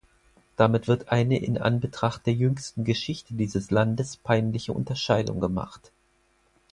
Damit wird eine in Anbetracht der jüngsten Geschichte dieses Landes peinliche Unterscheidung gemacht.